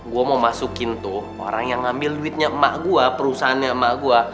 gue mau masukin tuh orang yang ngambil duitnya emak gue perusahaannya emak gue